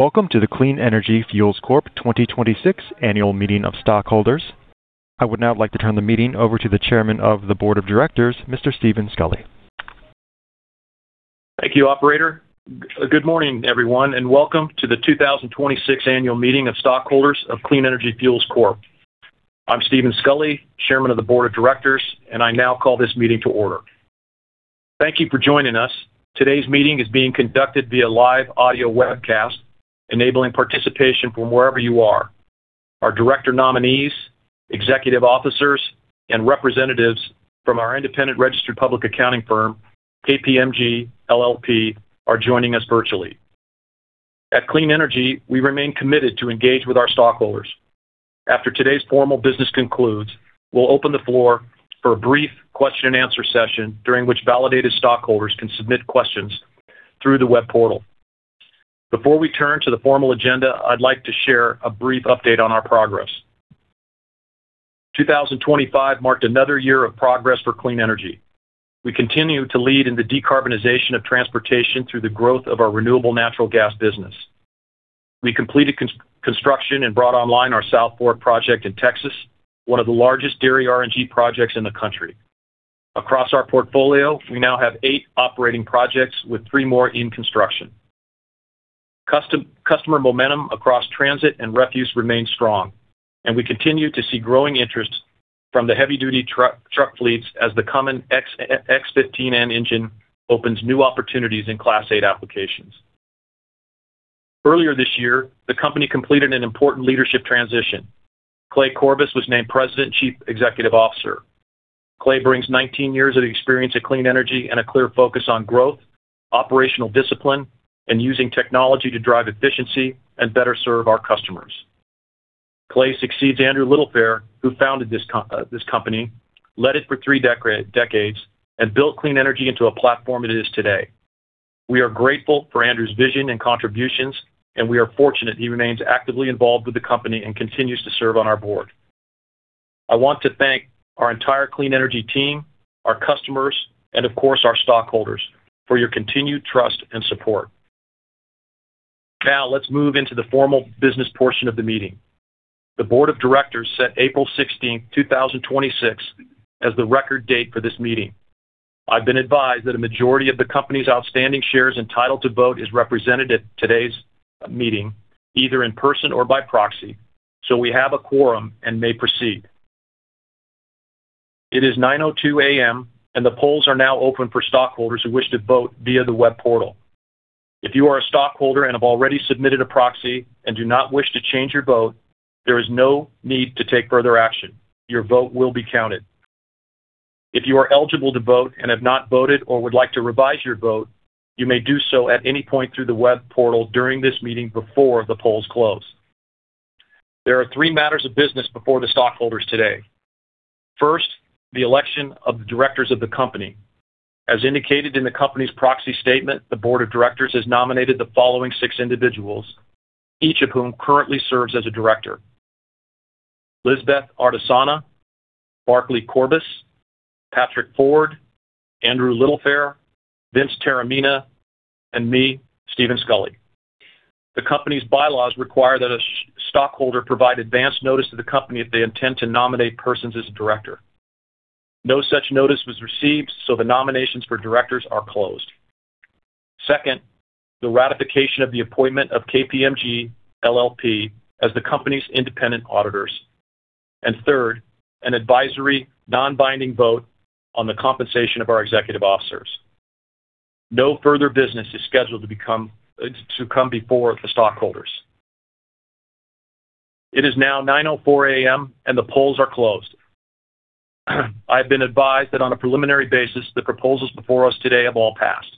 Welcome to the Clean Energy Fuels Corp 2026 Annual Meeting of Stockholders. I would now like to turn the meeting over to the Chairman of the Board of Directors, Mr. Stephen Scully. Thank you, operator. Good morning, everyone, and welcome to the 2026 Annual Meeting of Stockholders of Clean Energy Fuels Corp. I'm Stephen Scully, Chairman of the Board of Directors, and I now call this meeting to order. Thank you for joining us. Today's meeting is being conducted via live audio webcast, enabling participation from wherever you are. Our director nominees, executive officers, and representatives from our independent registered public accounting firm, KPMG LLP, are joining us virtually. At Clean Energy, we remain committed to engage with our stockholders. After today's formal business concludes, we'll open the floor for a brief question-and-answer session during which validated stockholders can submit questions through the web portal. Before we turn to the formal agenda, I'd like to share a brief update on our progress. 2025 marked another year of progress for Clean Energy. We continue to lead in the decarbonization of transportation through the growth of our renewable natural gas business. We completed construction and brought online our South Fork project in Texas, one of the largest dairy RNG projects in the country. Across our portfolio, we now have eight operating projects with three more in construction. Customer momentum across transit and refuse remains strong, and we continue to see growing interest from the heavy-duty truck fleets as the Cummins X15N engine opens new opportunities in Class 8 applications. Earlier this year, the company completed an important leadership transition. Clay Corbus was named President, Chief Executive Officer. Clay brings 19 years of experience at Clean Energy and a clear focus on growth, operational discipline, and using technology to drive efficiency and better serve our customers. Clay succeeds Andrew Littlefair, who founded this company, led it for three decades, and built Clean Energy into a platform it is today. We are grateful for Andrew's vision and contributions, and we are fortunate he remains actively involved with the company and continues to serve on our Board. I want to thank our entire Clean Energy team, our customers, and of course, our stockholders for your continued trust and support. Now, let's move into the formal business portion of the meeting. The Board of Directors set April 16th, 2026, as the record date for this meeting. I've been advised that a majority of the company's outstanding shares entitled to vote is represented at today's meeting, either in person or by proxy, so we have a quorum and may proceed. It is 9:02 A.M., and the polls are now open for stockholders who wish to vote via the web portal. If you are a stockholder and have already submitted a proxy and do not wish to change your vote, there is no need to take further action. Your vote will be counted. If you are eligible to vote and have not voted or would like to revise your vote, you may do so at any point through the web portal during this meeting before the polls close. There are three matters of business before the stockholders today. First, the election of the directors of the company. As indicated in the company's proxy statement, the Board of Directors has nominated the following six individuals, each of whom currently serves as a director. Lizabeth Ardisana, Barclay Corbus, Patrick Ford, Andrew Littlefair, Vince Taormina, and me, Stephen Scully. The company's bylaws require that a stockholder provide advance notice to the company if they intend to nominate persons as a director. No such notice was received, so the nominations for directors are closed. Second, the ratification of the appointment of KPMG LLP as the company's independent auditors. Third, an advisory non-binding vote on the compensation of our executive officers. No further business is scheduled to come before the stockholders. It is now 9:04 A.M., and the polls are closed. I have been advised that on a preliminary basis, the proposals before us today have all passed.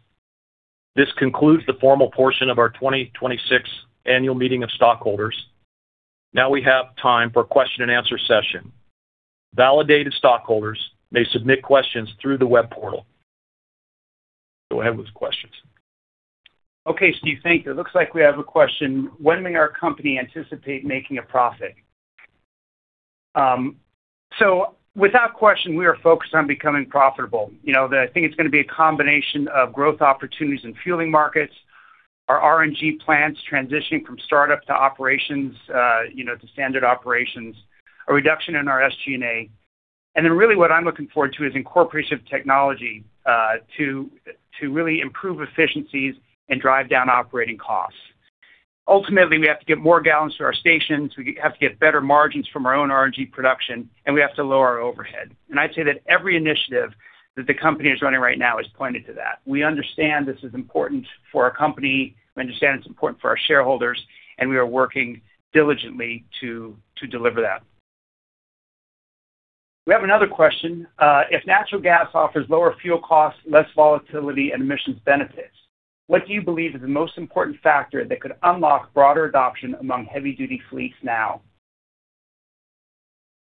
This concludes the formal portion of our 2026 Annual Meeting of Stockholders. Now, we have time for a question-and-answer session. Validated stockholders may submit questions through the web portal. Go ahead with questions. Okay, Steve. Thank you. It looks like we have a question. When may our company anticipate making a profit? Without question, we are focused on becoming profitable. I think it's going to be a combination of growth opportunities in fueling markets, our RNG plants transitioning from startup to standard operations, a reduction in our SG&A, and then really, what I'm looking forward to is incorporation of technology to really improve efficiencies and drive down operating costs. Ultimately, we have to get more gallons through our stations, we have to get better margins from our own RNG production, and we have to lower our overhead. I'd say that every initiative that the company is running right now is pointed to that. We understand this is important for our company, we understand it's important for our shareholders, and we are working diligently to deliver that. We have another question. If natural gas offers lower fuel costs, less volatility, and emissions benefits, what do you believe is the most important factor that could unlock broader adoption among heavy duty fleets now?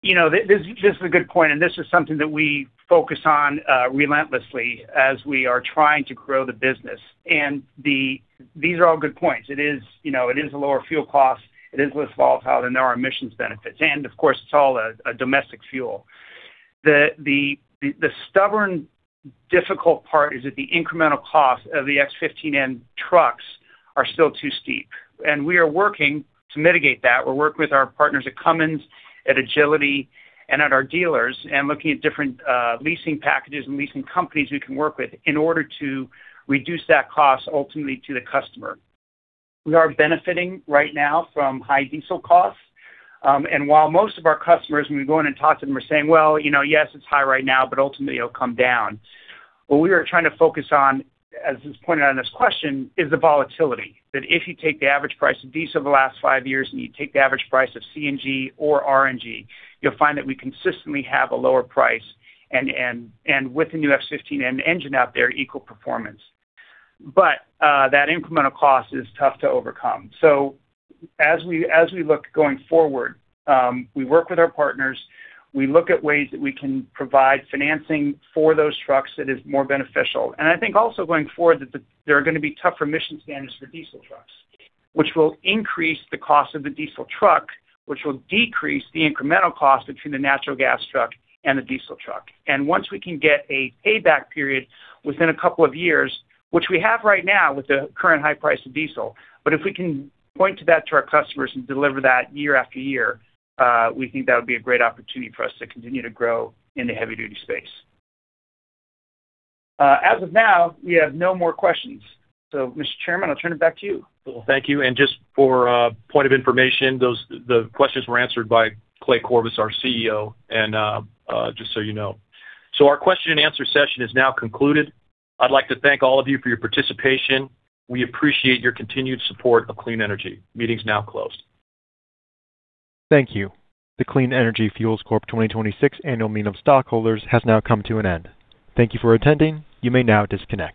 This is a good point, and this is something that we focus on relentlessly as we are trying to grow the business. These are all good points. It is a lower fuel cost, it is less volatile, and there are emissions benefits. And of course, it's all a domestic fuel. The stubborn, difficult part is that the incremental cost of the X15N trucks are still too steep, and we are working to mitigate that. We're working with our partners at Cummins, at Agility, and at our dealers, and looking at different leasing packages and leasing companies we can work with in order to reduce that cost ultimately to the customer. We are benefiting right now from high diesel costs. While most of our customers, when we go in and talk to them, are saying, "Well, yes, it's high right now, but ultimately it'll come down." What we are trying to focus on, as is pointed out in this question, is the volatility. If you take the average price of diesel the last five years and you take the average price of CNG or RNG, you'll find that we consistently have a lower price, and with the new X15N engine out there, equal performance. But that incremental cost is tough to overcome. As we look going forward, we work with our partners, we look at ways that we can provide financing for those trucks that is more beneficial. I think, also, going forward, that there are going to be tougher emission standards for diesel trucks, which will increase the cost of the diesel truck, which will decrease the incremental cost between the natural gas truck and the diesel truck. And once we can get a payback period within a couple of years, which we have right now with the current high price of diesel, but if we can point to that to our customers and deliver that year after year, we think that would be a great opportunity for us to continue to grow in the heavy-duty space. As of now, we have no more questions. Mr. Chairman, I'll turn it back to you. Well, thank you. Just for point of information, the questions were answered by Clay Corbus, our CEO, and just so you know. Our question-and-answer session is now concluded. I'd like to thank all of you for your participation. We appreciate your continued support of Clean Energy. Meeting's now closed. Thank you. The Clean Energy Fuels Corp 2026 Annual Meeting of Stockholders has now come to an end. Thank you for attending. You may now disconnect.